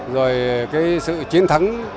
rồi cái sự chiến thắng